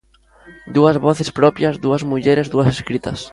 Dúas voces propias, dúas mulleres, dúas escritas.